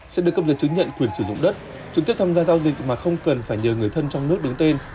sẽ được cấp giấy chứng nhận quyền sử dụng đất trực tiếp tham gia giao dịch mà không cần phải nhờ người thân trong nước đứng tên